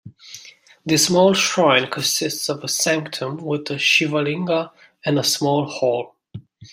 This small shrine consists of sanctum with a Shivalinga and a small hall.